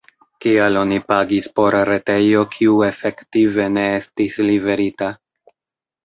Kial oni pagis por retejo, kiu efektive ne estis liverita?